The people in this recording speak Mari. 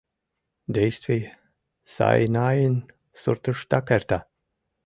Действий Сайнайын суртыштак эрта.